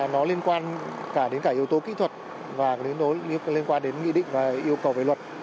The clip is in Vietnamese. nó liên quan cả đến cả yếu tố kỹ thuật và liên quan đến nghị định và yêu cầu về luật